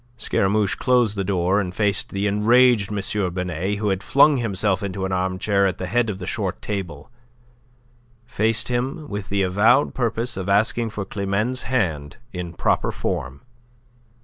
Scaramouche closed the door and faced the enraged M. Binet, who had flung himself into an armchair at the head of the short table, faced him with the avowed purpose of asking for Climene's hand in proper form.